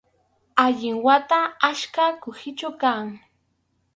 Allin wata ackha kuhichu kan